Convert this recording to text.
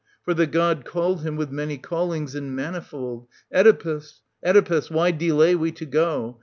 For the god called him with many callings and manifold: ' Oedipus, Oedipus y why delay we to go